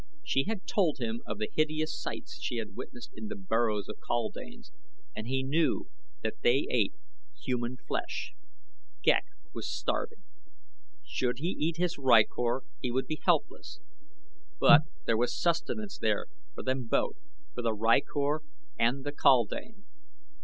She had told him of the hideous sights she had witnessed in the burrows of the kaldanes and he knew that they ate human flesh. Ghek was starving. Should he eat his rykor he would be helpless; but there was sustenance there for them both, for the rykor and the kaldane.